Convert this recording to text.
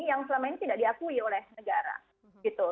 yang selama ini tidak diakui oleh negara gitu